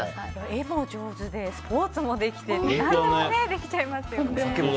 絵も上手で、スポーツもできて何でもできちゃいますよね。